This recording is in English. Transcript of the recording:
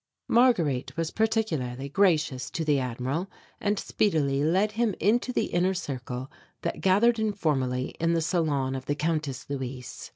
Marguerite was particularly gracious to the Admiral and speedily led him into the inner circle that gathered informally in the salon of the Countess Luise.